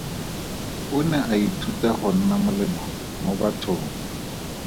O ne a nthuta go nna molemo mo bathong.